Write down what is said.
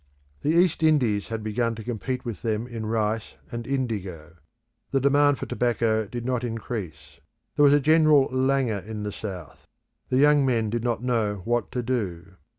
The East Indies had begun to compete with them in rice and indigo; the demand for tobacco did not increase. There was a general languor in the South; the young men did not know what to do.